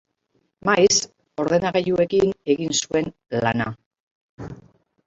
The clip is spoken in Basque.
Maiz, ordenagailuekin egin zuen lana.